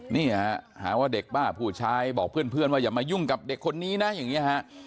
นี่หาว่าเด็กบ้าผู้ชายบอกเพื่อนว่าอย่ามายุ่งกับเด็กผู้หญิงนะฮะ